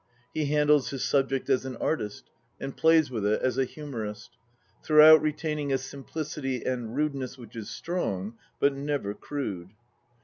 He handles his subject as an artist, and plays with it as a humourist ; throughout retaining a simplicity and rudeness which is strong, but never crude.